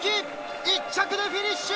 １着でフィニッシュ！